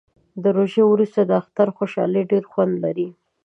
د روژې وروسته د اختر خوشحالي ډیر خوند لري